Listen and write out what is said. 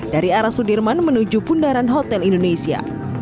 dari arah sudirman menuju bundaran hotel indonesia